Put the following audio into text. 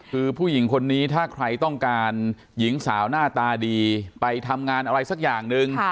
คือผู้หญิงคนนี้ถ้าใครต้องการหญิงสาวหน้าตาดีไปทำงานอะไรสักอย่างหนึ่ง